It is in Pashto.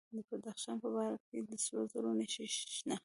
د بدخشان په بهارک کې د سرو زرو نښې شته.